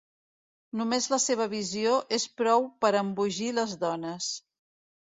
Només la seva visió és prou per embogir les dones.